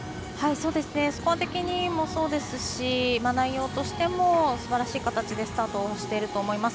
スコア的にもそうですし内容としてもすばらしい形でスタートしていると思います。